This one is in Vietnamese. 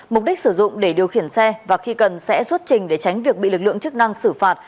mục đích sử dụng để điều khiển xe và khi cần sẽ xuất trình để tránh việc bị lực lượng chức năng xử phạt